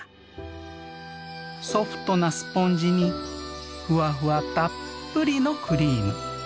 ソフトなスポンジにふわふわたっぷりのクリーム。